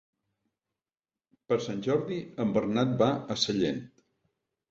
Per Sant Jordi en Bernat va a Sellent.